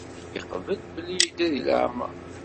Yugi ad yeqbel belli yedda deg leεmer.